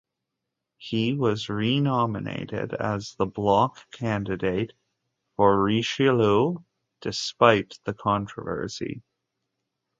He was renominated as the Bloc candidate for Richelieu despite the controversy.